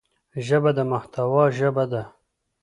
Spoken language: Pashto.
ژبه د محتوا ژبه ده